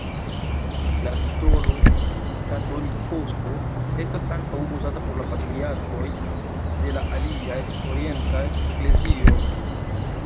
La titolo «katolikoso» estas ankaŭ uzata por la patriarkoj de la aliaj orientaj eklezioj.